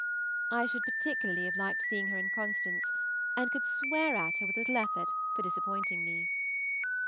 I should particularly have liked seeing her in "Constance," and could swear at her with little effort for disappointing me.